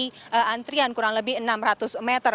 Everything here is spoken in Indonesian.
mengalami antrian kurang lebih enam ratus meter